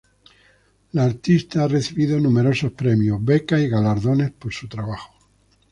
La artista ha recibido numerosos premios, becas y galardones por su trabajo.